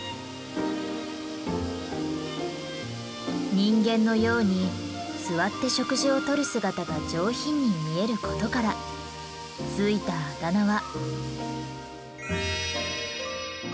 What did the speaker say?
人間のように座って食事をとる姿が上品に見えることからついたあだ名は。